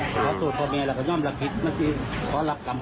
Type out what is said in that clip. มันรอตรวดถูระจากอย่างน้องพวกบัวเขา